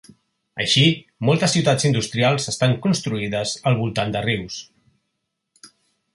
Així, moltes ciutats industrials estan construïdes al voltant de rius.